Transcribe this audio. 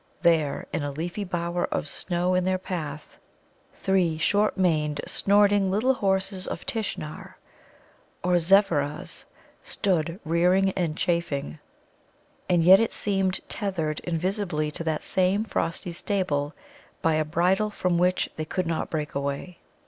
there, in a leafy bower of snow in their path, three short maned snorting little Horses of Tishnar, or Zevveras, stood, rearing and chafing, and yet it seemed tethered invisibly to that same frosty stable by a bridle from which they could not break away.